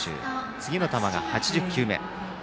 次の球が８０球目。